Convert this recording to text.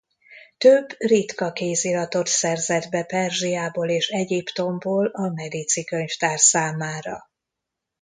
Több ritka kéziratot szerzett be Perzsiából és Egyiptomból a Medici-könyvtár számára.